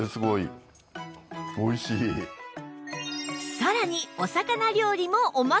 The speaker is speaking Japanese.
さらにお魚料理もお任せ